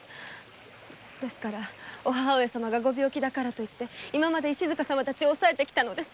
ですから母上様が病気だからと石塚様たちを抑えてきたのです。